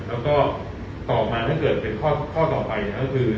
แล้วก็ต่อมาถ้าเกิดเป็นข้อต่อไปก็คือ